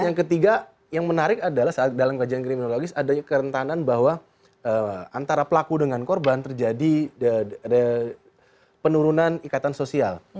yang ketiga yang menarik adalah saat dalam kajian kriminologis adanya kerentanan bahwa antara pelaku dengan korban terjadi penurunan ikatan sosial